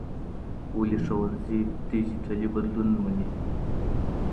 ولي ښوونځي ډیجیټلي بدلون مني؟